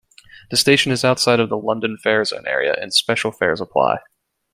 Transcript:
The station is outside of the London Fare Zone area, and special fares apply.